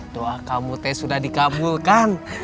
doa kamu teh sudah dikabulkan